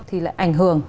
thì lại ảnh hưởng